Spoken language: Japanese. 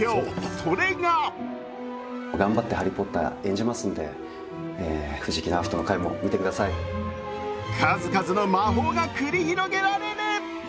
それが数々の魔法が繰り広げられる！